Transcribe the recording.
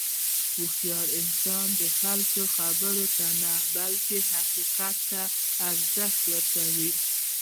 هوښیار انسان د خلکو خبرو ته نه، بلکې حقیقت ته ارزښت ورکوي.